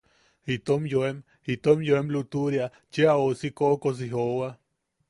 Itom yoem... itom yoem lutuʼuria cheʼa ousi koʼokosi joowa.